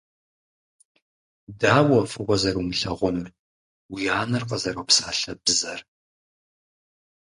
Дауэ фӀыуэ зэрумылъагъунур уи анэр къызэропсалъэ бзэр.